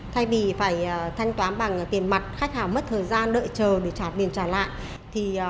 thay vì phải thanh toán bằng tiền mặt khách hàng mất thời gian đợi chờ để trả tiền trả lại